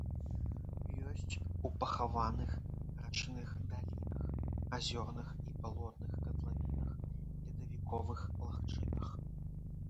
Ёсць у пахаваных рачных далінах, азёрных і балотных катлавінах, ледавіковых лагчынах.